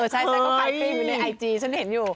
ใช่ฉันก็ไปฟรีอยู่ในไอจีฉันเห็นอยู่